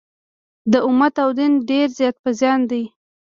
د امت او دین ډېر زیات په زیان دي.